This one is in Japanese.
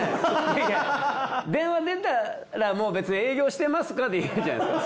いやいや電話出たらもう別に営業してますかでいいんじゃないですか？